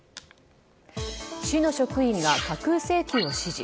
市の職員が架空請求を指示。